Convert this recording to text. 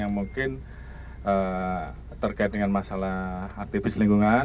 yang mungkin terkait dengan masalah aktivis lingkungan